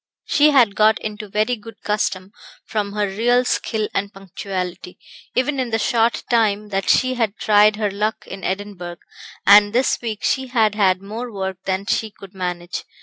She had got into very good custom, from her real skill and punctuality, even in the short time that she had tried her luck in Edinburgh; and this week she had had more work than she could manage.